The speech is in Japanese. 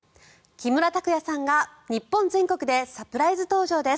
木村拓哉さんが日本全国でサプライズ登場です。